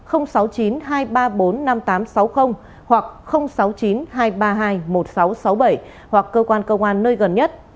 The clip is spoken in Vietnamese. hoặc sáu mươi chín hai trăm ba mươi hai một nghìn sáu trăm sáu mươi bảy hoặc cơ quan cơ quan nơi gần nhất